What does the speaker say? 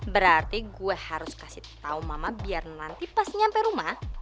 berarti gue harus kasih tahu mama biar nanti pas nyampe rumah